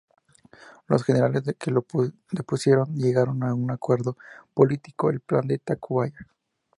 Los generales que lo depusieron llegaron a un acuerdo político, el" Plan de Tacubaya".